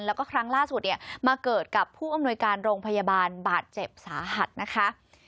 แล้วก็ครั้งล่าสุดเนี่ยมาเกิดกับผู้อำนวยการโรงพยาบาลบาดเจ็บสาหัสนะคะ